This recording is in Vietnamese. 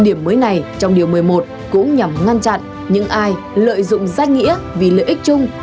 điểm mới này trong điều một mươi một cũng nhằm ngăn chặn những ai lợi dụng danh nghĩa vì lợi ích chung